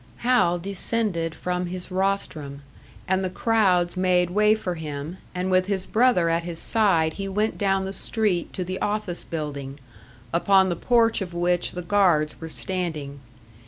Hal descended from his rostrum, and the crowds made way for him, and with his brother at his side he went down the street to the office building, upon the porch of which the guards were standing.